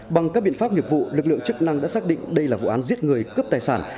bằng các biện pháp nghiệp vụ lực lượng chức năng đã xác định đây là vụ án giết người cướp tài sản